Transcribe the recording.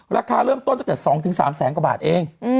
ราคาเริ่มต้นตั้งแต่๒๓แสนกว่าบาทเอง